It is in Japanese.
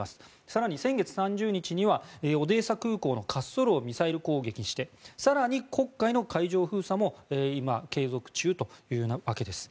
更に先月３０日にはオデーサ空港の滑走路をミサイル攻撃して更に黒海の海上封鎖も今、継続中というわけです。